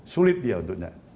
sulit dia untuknya